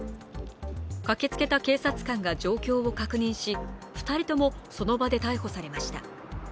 駆けつけた警察官が状況を確認し、２人ともその場で逮捕されました。